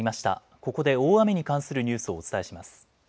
ここで大雨に関するニュースをお伝えします。